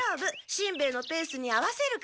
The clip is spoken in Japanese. しんべヱのペースに合わせるから。